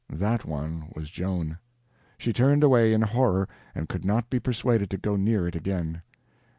That one was Joan. She turned away in horror, and could not be persuaded to go near it again.